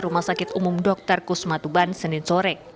rumah sakit umum dr kusma tuban senin sore